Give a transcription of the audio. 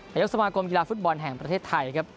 นายกสมาคมกีฬาฟุตบอลแห่งประเทศไทยครับ